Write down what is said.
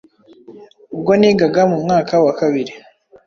ubwo nigaga mu mwaka wa kabiri